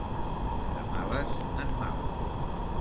De males en males.